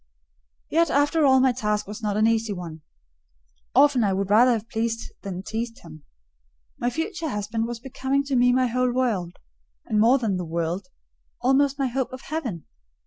Yet after all my task was not an easy one; often I would rather have pleased than teased him. My future husband was becoming to me my whole world; and more than the world: almost my hope of heaven.